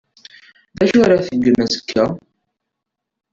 D acu ara tgem azekka?